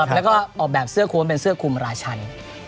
แล้วก็ออกแบบเสื้อโค้งเป็นเสื้อคุมราชัน